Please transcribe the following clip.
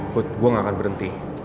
food gue gak akan berhenti